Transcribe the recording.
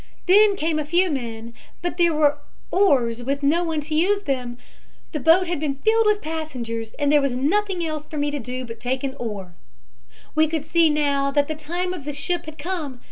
Then came a few men, but there were oars with no one to use them. The boat had been filled with passengers, and there was nothing else for me to do but to take an oar. "We could see now that the time of the ship had come.